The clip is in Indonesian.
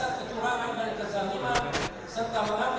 menolak kekuasaan yang berdiri atas dasar kecurangan dan kecantikan